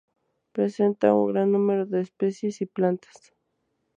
Presenta un gran número de especies y plantas.